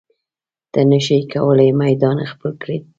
ته نشې کولی میدان خپل کړې.